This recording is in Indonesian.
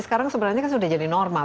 sekarang sebenarnya kan sudah jadi normal